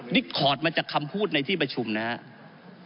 นี่คอร์ดมาจากคำพูดในที่ประชุมนะครับ